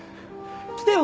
来てよ